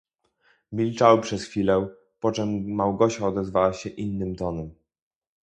"Milczały przez chwilę, poczem Małgosia odezwała się innym tonem."